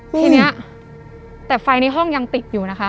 ทีนี้แต่ไฟในห้องยังติดอยู่นะคะ